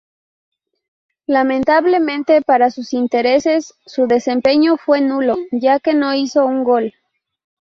Lamentablemente para sus intereses su desempeño fue nulo ya que no hizo un gol.